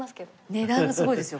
値段がすごいですよ